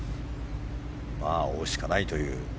追うしかないという。